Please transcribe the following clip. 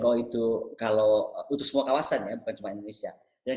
untuk semua kawasan bukan cuma indonesia